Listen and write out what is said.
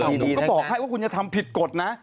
ผมก็บอกให้ว่าคุณจะทำผิดกฎนะ